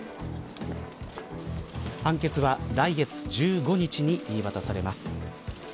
判決は来月１５日に言い渡されます。